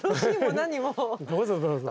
どうぞどうぞ。